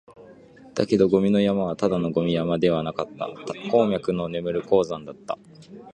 だけど、ゴミの山はただのゴミ山ではなかった、鉱脈の眠る鉱山だった